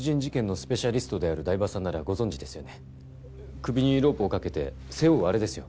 首にロープをかけて背負うあれですよ。